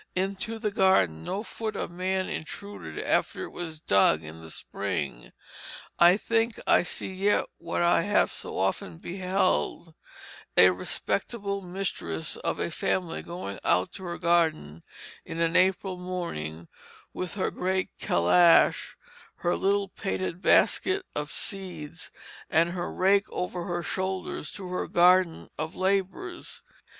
Into the garden no foot of man intruded after it was dug in the spring. I think I see yet what I have so often beheld a respectable mistress of a family going out to her garden, in an April morning, with her great calash, her little painted basket of seeds, and her rake over her shoulders, to her garden of labours.